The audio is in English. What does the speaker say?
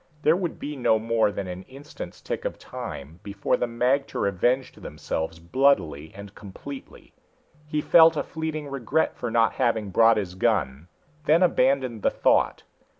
There would be no more than an instant's tick of time before the magter avenged themselves bloodily and completely. He felt a fleeting regret for not having brought his gun, then abandoned the thought.